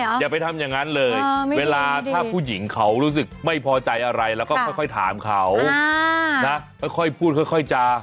อย่าไปทำอย่างนั้นเลยเวลาถ้าผู้หญิงเขารู้สึกไม่พอใจอะไรแล้วก็ค่อยถามเขานะค่อยพูดค่อยจา